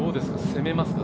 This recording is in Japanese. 攻めますか？